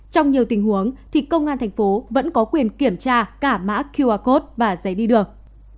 trong nhiều tình huống thì công an thành phố vẫn có quyền kiểm tra cả mã qr code và giấy đi đường